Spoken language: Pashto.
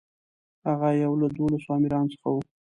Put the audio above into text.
هغه یو له دولسو امیرانو څخه و.